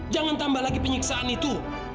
jangan tambah lagi penyiksaan itu